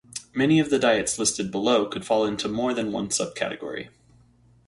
Many of the diets listed below could fall into more than one subcategory.